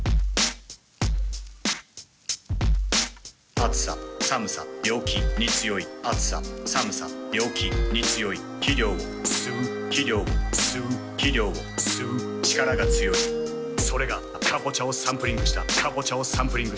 「暑さ寒さ病気に強い暑さ寒さ病気に強い」「肥料を吸う肥料を吸う肥料を吸う力が強い」「それがカボチャをサンプリングしたカボチャをサンプリングした」